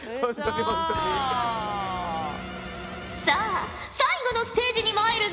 さあ最後のステージにまいるぞ。